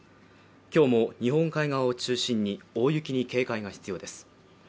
きょうも日本海側を中心に大雪に警戒が必要です